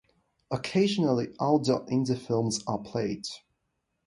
Occasionally, outdoor indie films are played.